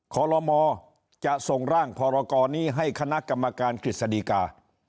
ขอรมอจะส่งร่างพรกรนี้ให้คณะกรรมการกฤษฎีกา